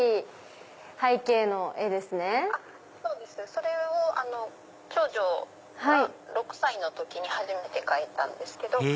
それを長女が６歳の時初めて描いたんです。え！